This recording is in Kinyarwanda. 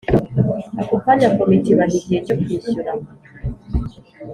Ako kanya Komite ibaha igihe cyo kwishyura